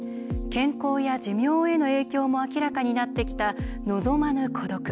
健康や寿命への影響も明らかになってきた望まぬ孤独。